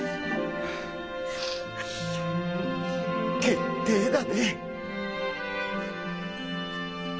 決定だね。